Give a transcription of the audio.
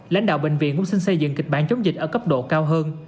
lãnh đạo bệnh viện cũng xin xây dựng kịch bản chống dịch ở cấp độ cao hơn